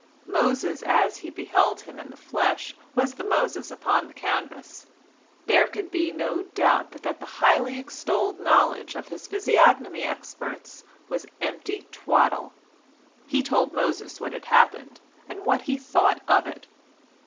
Moses as he beheld him in the flesh was the Moses upon the canvas. There could be no doubt but that the highly extolled knowledge of his physiognomy experts was empty twaddle. He told Moses what had happened, and what he thought of it.